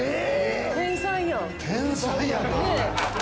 天才やん！